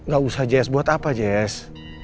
gak usah jess buat apa jess